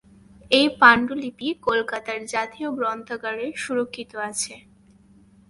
এই পাণ্ডুলিপি কলকাতার জাতীয় গ্রন্থাগারে সুরক্ষিত আছে।